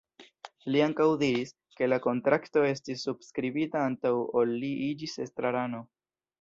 Li ankaŭ diris, ke la kontrakto estis subskribita antaŭ ol li iĝis estrarano.